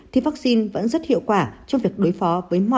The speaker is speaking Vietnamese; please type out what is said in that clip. thì vaccine vẫn rất hiệu quả trong việc đối phó với mọi biến chủng